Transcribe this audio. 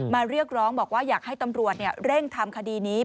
เรียกร้องบอกว่าอยากให้ตำรวจเร่งทำคดีนี้